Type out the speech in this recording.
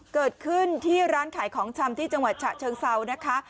เกิดขึ้นที่ร้านขายของชำที่จังหวัดฉะเชิงเซานะคะ